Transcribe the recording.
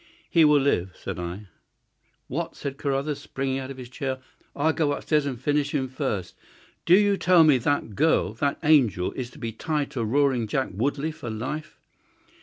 "He will live," said I. "What!" cried Carruthers, springing out of his chair. "I'll go upstairs and finish him first. Do you tell me that that girl, that angel, is to be tied to Roaring Jack Woodley for life?"